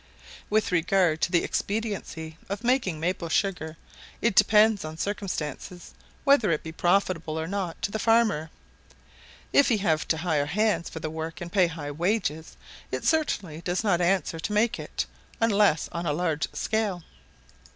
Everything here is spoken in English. With regard to the expediency of making maple sugar, it depends on circumstances whether it be profitable or not to the farmer. If he have to hire hands for the work, and pay high wages, it certainly does not answer to make it, unless on a large scale.